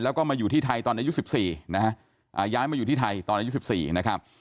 แล้วก็มาอยู่ที่ไทยตอนอายุ๑๔นะฮะย้ายมาอยู่ที่ไทยตอนอายุ๑๔นะครับ